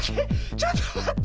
ちょっとまって。